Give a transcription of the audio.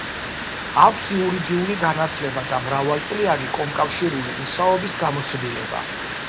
აქვს იურიდიული განათლება და მრავალწლიანი კომკავშირული მუშაობის გამოცდილება.